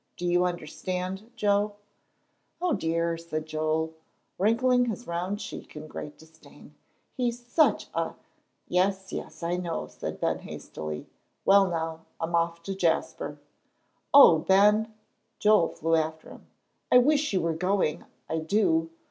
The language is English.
Do you understand, Joe?" "O dear!" said Joel, wrinkling his round cheek in great disdain, "he's such a " "Yes, yes, I know," said Ben, hastily. "Well, now, I'm off to Jasper." "Oh, Ben," Joel flew after him, "I wish you were going, I do."